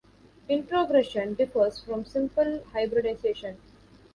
Introgression differs from simple hybridization.